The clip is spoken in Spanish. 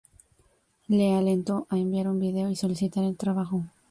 Le alentó a enviar un vídeo y solicitar el trabajo.